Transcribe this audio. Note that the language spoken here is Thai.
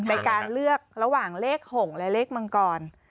ในการเลือกระหว่างเลข๖และเลขมังกร